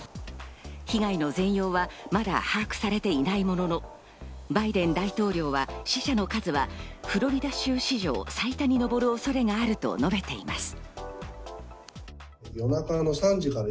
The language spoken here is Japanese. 被害の全容はまだ把握されていないものの、バイデン大統領は死者の数はフロリダ州史上最多に上る恐れがあると述べています。